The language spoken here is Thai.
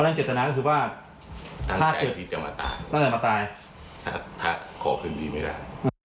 ตั้งใจที่จะมาตายถ้าขอคืนดีไม่ได้